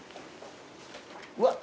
うわっ。